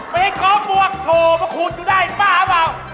ไม่เค้าบวกโถปะขูดดูได้บ้าเปล่า